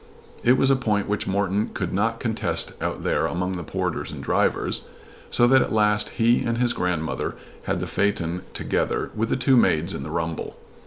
It was a point which Morton could not contest out there among the porters and drivers, so that at last he and his grandmother had the phaeton together with the two maids in the rumble.